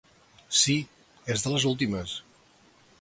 Sí, és de les últimes.